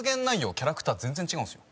キャラクター全然違うんですよ。